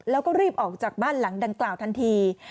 แล้วก็รีบออกจากบ้านหลังดังกล่าวทันที